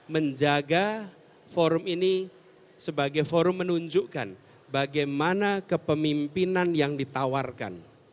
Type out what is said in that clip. menjaga forum ini sebagai forum menunjukkan bagaimana kepemimpinan yang ditawarkan